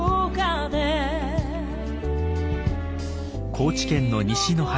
高知県の西の端